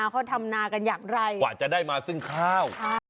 พอราคมันเดินไป